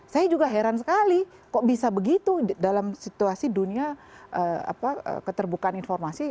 saya juga heran sekali kok bisa begitu dalam situasi dunia keterbukaan informasi